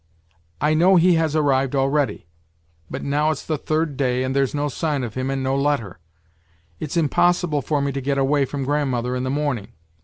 I know he has arrived already; but now it's the third day, and there's no sign of him v and no letter. It's impossible for me to get away from grand mother in the morning.